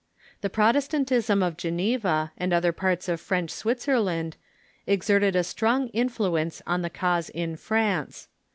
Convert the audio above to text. The Protestantism of Geneva and other parts of French Switzerland exerted a strong influ ence on the cause in France.